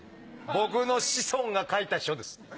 僕の子孫が書いた書です。